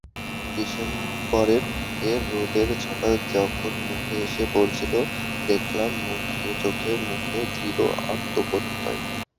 ডিসেম্বরের রোদের ছটা যখন মুখে এসে পড়ছিল, দেখলাম চোখে-মুখে দৃঢ় আত্মপ্রত্যয়।